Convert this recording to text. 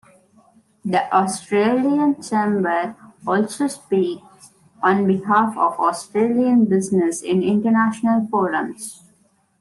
The Australian Chamber also speaks on behalf of Australian business in international forums.